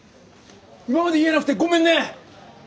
今まで言えなくてごめんね！